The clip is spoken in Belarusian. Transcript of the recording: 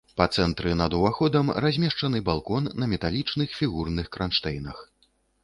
Па цэнтры над уваходам размешчаны балкон на металічных фігурных кранштэйнах.